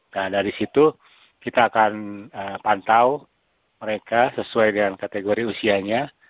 nah dari situ kita akan pantau mereka sesuai dengan kategori usianya